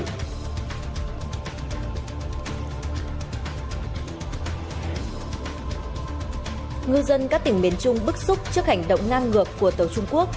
ngư dân các tỉnh miền trung bức xúc trước hành động ngang ngược của tàu trung quốc